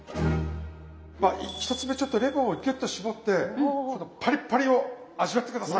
まあ１つ目ちょっとレモンをギュッと搾ってこのパリッパリを味わって下さい！